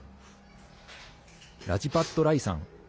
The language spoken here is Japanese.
ラジパット・ライさん。